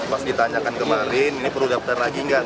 pas ditanyakan kemarin ini perlu daftar lagi nggak